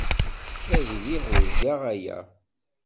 Ad iliɣ urgaɣ aya.